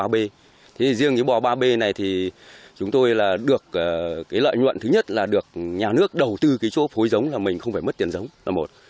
thế thì riêng cái bò ba b này thì chúng tôi là được cái lợi nhuận thứ nhất là được nhà nước đầu tư cái chỗ phối giống là mình không phải mất tiền giống là một